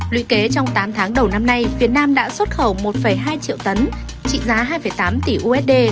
lũy kế trong tám tháng đầu năm nay việt nam đã xuất khẩu một hai triệu tấn trị giá hai tám tỷ usd